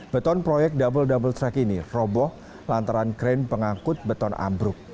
beton proyek double double track ini roboh lantaran kren pengangkut beton ambruk